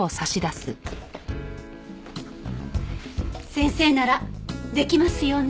先生ならできますよね？